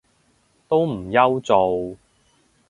都唔憂做